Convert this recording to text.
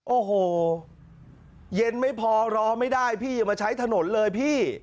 โอ้โหเย็นไม่พอรอไม่ได้พี่อย่ามาใช้ถนนเลยพี่